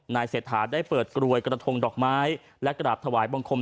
เศรษฐาได้เปิดกลวยกระทงดอกไม้และกราบถวายบังคม